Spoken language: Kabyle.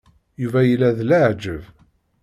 Yuba yella d leɛǧeb.